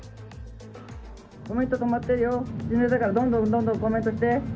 コメント止まってるよ、どんどんどんどんコメントして。